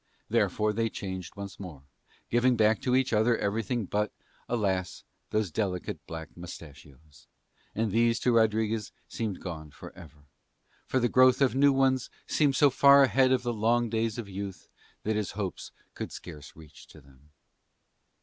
Therefore they changed once more, giving back to each other everything but, alas, those delicate black moustachios; and these to Rodriguez seemed gone for ever, for the growth of new ones seemed so far ahead to the long days of youth that his hopes could scarce reach to them.